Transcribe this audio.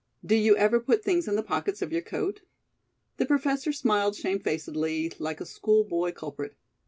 Do you ever put things in the pockets of your coat?" The Professor smiled shamefacedly like a schoolboy culprit.